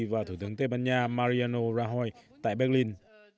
và thủ tướng tây ban nha mariano rahoi tại berlin